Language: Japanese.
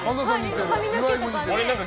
髪の毛とか。